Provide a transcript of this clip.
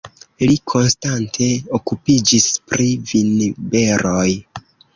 Li konstante okupiĝis pri vinberoj.